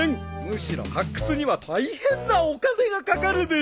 むしろ発掘には大変なお金がかかるでしょう